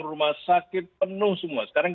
rumah sakit penuh semua sekarang